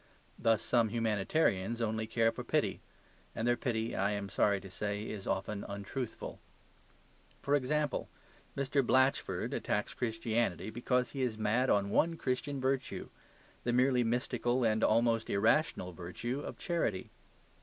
Thus some humanitarians only care for pity; and their pity (I am sorry to say) is often untruthful. For example, Mr. Blatchford attacks Christianity because he is mad on one Christian virtue: the merely mystical and almost irrational virtue of charity.